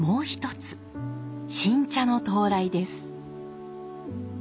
新茶の到来です。